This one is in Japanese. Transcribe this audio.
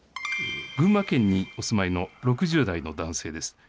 群馬県にお住まいの６０代の男性です。